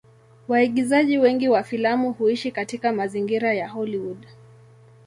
Waigizaji wengi wa filamu huishi katika mazingira ya Hollywood.